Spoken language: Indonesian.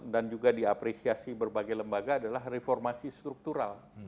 dan juga diapresiasi berbagai lembaga adalah reformasi struktural